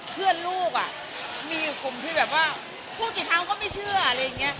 เพื่อนลูกอะมีกลุ่มที่แบบว่าพูดกี่ครั้งก็ไม่เชื่ออะไรอย่างเงี้ย